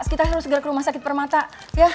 kita harus segera ke rumah sakit permata ya